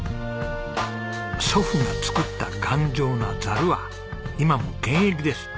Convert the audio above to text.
祖父が作った頑丈なざるは今も現役です。